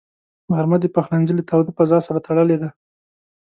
غرمه د پخلنځي له تاوده فضاء سره تړلې ده